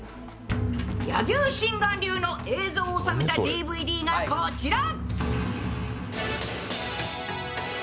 柳生心眼流の映像を収めたＤＶＤがこちら。